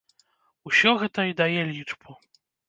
Усё гэта і дае лічбу.